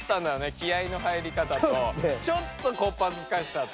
気合いの入りかたとちょっとこっぱずかしさと。